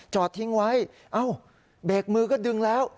จอดทิ้งไว้เอ้าเบรกมือก็ดึงแล้ว